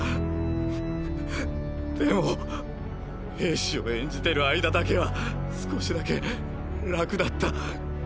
でも兵士を演じてる間だけは少しだけ楽だった。